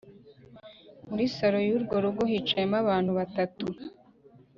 muri salon yurwo rugo hicayemo abantu batatu,